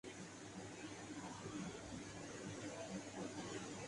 جامو